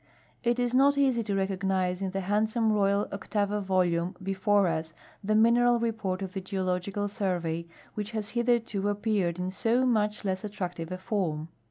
It is not easy to recognize in the handsome royal octavo volume before us the mineral report of the Geological Survey, which has hitherto ap peared in so much less attractive a form.